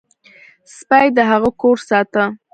سپي د هغه کور ساته.